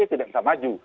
tidak bisa maju